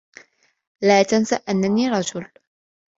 لا تنس أنّني رجل.